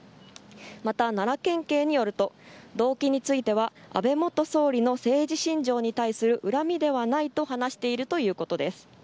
また奈良県警によると動機については安倍元総理の政治信条に対する恨みではないと話しているということです。